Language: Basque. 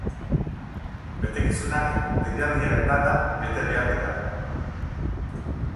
Betekizunak deialdiaren datan bete behar dira.